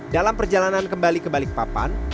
dalam perjalanan kembali ke balikpapan